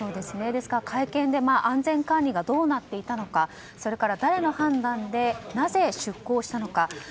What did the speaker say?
ですから会見で安全管理がどうなっていたのかそれから、誰の判断でなぜ出航したのか。